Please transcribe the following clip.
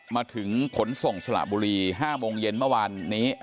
มาถึงขนส่งสละบุรี๕โมงเย็นเมื่อวานนี้